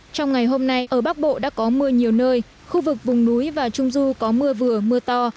trong ngày hôm nay ở bắc bộ đã có mưa nhiều nơi khu vực vùng núi và trung du có mưa vừa mưa to